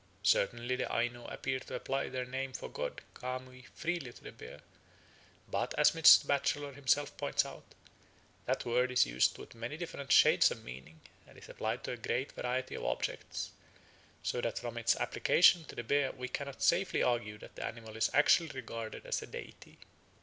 Certainly the Aino appear to apply their name for god (kamui) freely to the bear; but, as Mr. Batchelor himself points out, that word is used with many different shades of meaning and is applied to a great variety of objects, so that from its application to the bear we cannot safely argue that the animal is actually regarded as a deity.